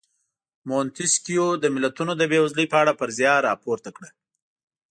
مونتیسکیو د ملتونو د بېوزلۍ په اړه فرضیه راپورته کړه.